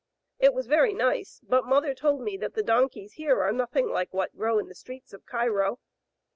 It was very nice, but mother told me that the donkeys here are nothing like what grow in the streets of Cairo.